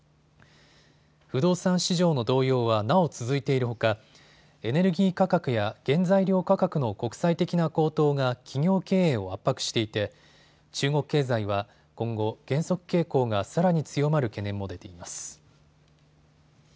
不動産市場の動揺はなお続いているほかエネルギー価格や原材料価格の国際的な高騰が企業経営を圧迫していて中国経済は今後、減速傾向がさらに強まる懸念も出ています。